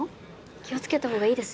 気を付けた方がいいですよ